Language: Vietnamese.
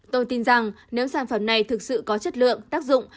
tôi tin rằng nếu sản phẩm này thực sự có chất lượng tác dụng